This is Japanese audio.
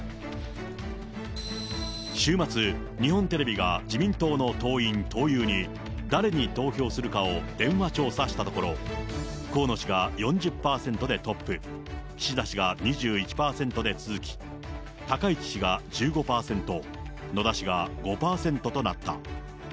週末、日本テレビが自民党の党員・党友に誰に投票するかを電話調査したところ、河野氏が４０％でトップ、岸田氏が２１％で続き、高市氏が１５％、野田氏が５％となった。